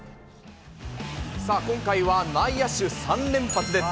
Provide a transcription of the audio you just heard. さあ、今回は内野手３連発です。